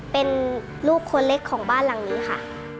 เป็นลูกคนเล็กของบ้านหลังนี้ค่ะ